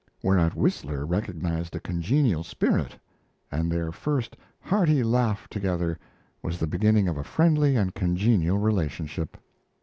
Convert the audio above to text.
Whereat Whistler recognized a congenial spirit, and their first hearty laugh together was the beginning of a friendly and congenial relationship.